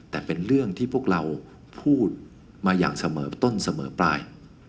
แต่เป็นเรื่องที่พวกเราพูดมาอย่างเสมอต้นเสมอปลาย